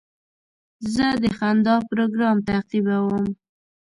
زه د خندا پروګرام تعقیبوم.